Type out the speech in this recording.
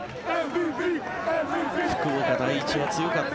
福岡第一は強かった。